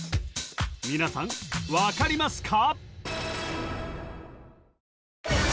皆さん分かりますか？